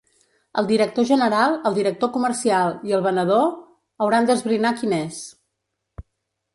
El director general, el director comercial i el venedor hauran d’esbrinar quin és.